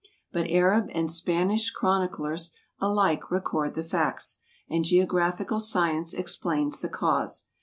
But Arab and Spanish chroniclers alike record the facts, and geographical science explains the cause.